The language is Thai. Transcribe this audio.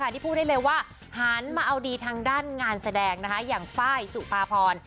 ที่พูดได้เลยว่าหันมาเอาดีทางด้านงานแสดงอย่างไฟล์สุภาพร